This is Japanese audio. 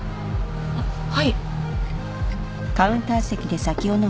あっはい